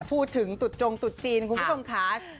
พูดถึงจุดจงตุ๊จีนคุณผู้ชมค่ะ